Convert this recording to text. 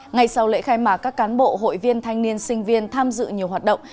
ngày sau lễ khai mạc các cán bộ hội viên thanh niên sinh viên tham dự nhiều hoạt động